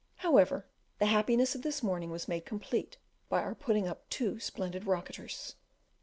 However, the happiness of this morning was made complete by our putting up two splendid rocketers.